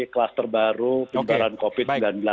kluster baru penyebaran covid sembilan belas